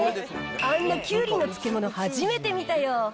あんなキュウリの漬物、初めて見たよ。